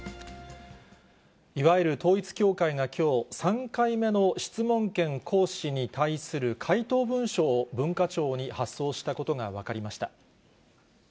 いわゆる統一教会がきょう、３回目の質問権行使に対する回答文書を文化庁に発送したことが分かりました。